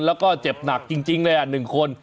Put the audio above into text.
แล้วก็เจ็บหนักจริงเลย๑คน